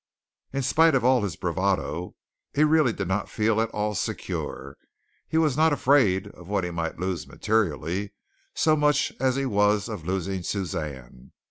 In spite of all his bravado, he really did not feel at all secure. He was not afraid of what he might lose materially so much as he was of losing Suzanne.